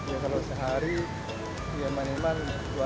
ya kalau sehari ya man man dua ratus